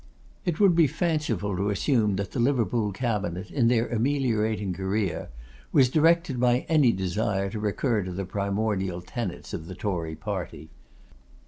It would be fanciful to assume that the Liverpool Cabinet, in their ameliorating career, was directed by any desire to recur to the primordial tenets of the Tory party.